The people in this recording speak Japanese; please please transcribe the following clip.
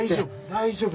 大丈夫！